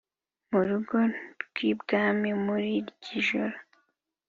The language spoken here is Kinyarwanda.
murugo rwibwami muri ry’ijoro